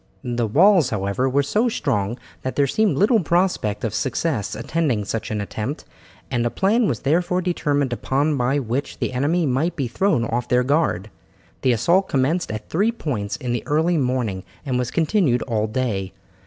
The walls, however, were so strong that there seemed little prospect of success attending such an attempt, and a plan was therefore determined upon by which the enemy might be thrown off their guard. The assault commenced at three points in the early morning and was continued all day.